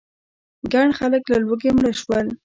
ګڼ خلک له لوږې مړه شول.